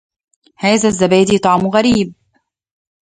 هذا الزبادي طعمه غريب.